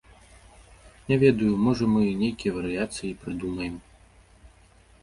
Не ведаю, можа, мы нейкія варыяцыі і прыдумаем.